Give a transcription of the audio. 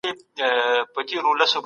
موږ له تېروتنو زدکړه کوو